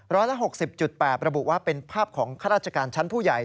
ร้อยละ๖๐๘ระบุว่าเป็นภาพของข้าราชการชั้นผู้ใหญ่